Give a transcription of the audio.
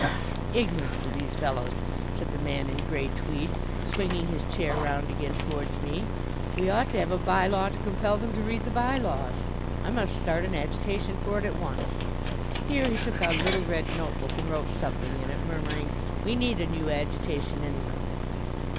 "The ignorance of these fellows," said the man in grey tweed, swinging his chair round again towards me. "We ought to have a by law to compel them to read the by laws. I must start an agitation for it at once." Here he took out a little red notebook and wrote something in it, murmuring, "We need a new agitation anyway."